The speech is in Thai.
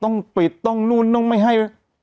ต้องปิดต้องนู่นต้องไม่ให้